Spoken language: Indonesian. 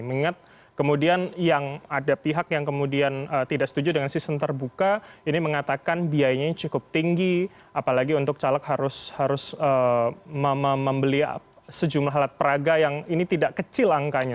mengingat kemudian yang ada pihak yang kemudian tidak setuju dengan sistem terbuka ini mengatakan biayanya cukup tinggi apalagi untuk caleg harus membeli sejumlah alat peraga yang ini tidak kecil angkanya